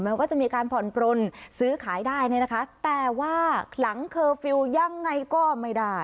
ว่าจะมีการผ่อนปลนซื้อขายได้เนี่ยนะคะแต่ว่าหลังเคอร์ฟิลล์ยังไงก็ไม่ได้